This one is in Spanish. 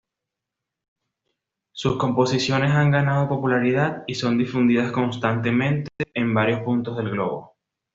Sus composiciones han ganado popularidad y son difundidas constantemente, en varios puntos del globo.